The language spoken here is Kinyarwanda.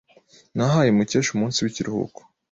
Nahaye Mukesha umunsi w'ikiruhuko.